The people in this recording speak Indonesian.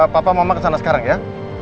papa mama kesana sekarang ya